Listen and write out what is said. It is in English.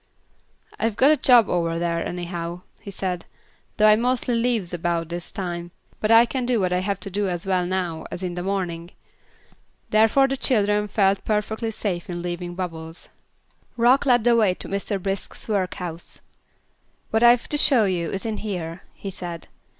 "I've got a job over there, anyhow," he said, "though I mostly leaves about this time, but I can do what I have to do as well now as in the morning." Therefore the children felt perfectly safe in leaving Bubbles. Rock led the way to Mr. Brisk's workhouse. "What I've to show you is in here," he said.